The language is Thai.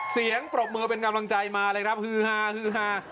เสียงปรบมือเป็นกำลังใจมาเลยครับฮือฮา